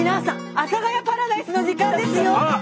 阿佐ヶ谷パラダイスの時間ですよ！